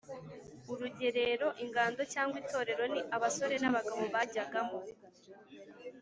Urugerero Ingando cyangwa itorero ni abasore n’abagabo bajyagamo